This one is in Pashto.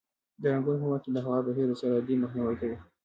د رنګولو په وخت کې د هوا بهیر د سر دردۍ مخنیوی کوي.